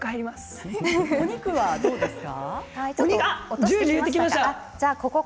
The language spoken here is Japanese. お肉はどうですか。